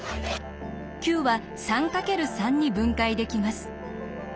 ９は３×３に分解できます。